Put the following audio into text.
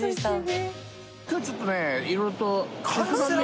今日ちょっとね。